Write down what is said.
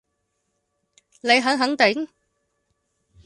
你肯肯定？